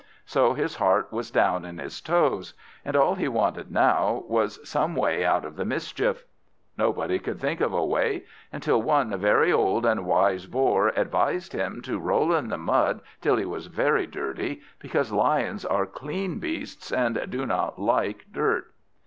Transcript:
So his heart was down in his toes, and all he wanted now was some way out of the mischief. Nobody could think of a way, until one very old and wise Boar advised him to roll in the mud till he was very dirty, because Lions are clean beasts and do not like dirt.